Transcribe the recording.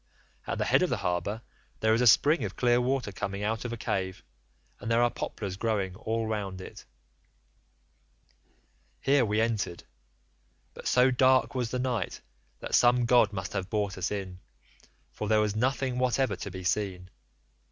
At the head of the harbour there is a spring of clear water coming out of a cave, and there are poplars growing all round it. "Here we entered, but so dark was the night that some god must have brought us in, for there was nothing whatever to be seen.